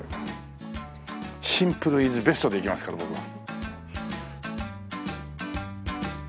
シンプルイズベストでいきますから僕は。